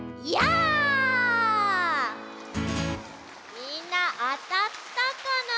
みんなあたったかな？